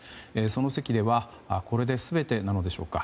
その席ではこれで全てなのでしょうか